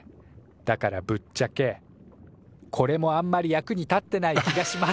だからぶっちゃけこれもあんまり役に立ってない気がします。